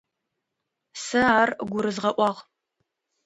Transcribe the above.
Сэ ар гурызгъэӏуагъ.